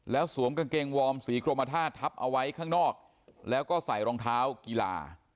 แล้วสวมกางเกงวอร์มสีกรมธาตุทับเอาไว้ข้างนอกแล้วก็ใส่รองเท้ากีฬา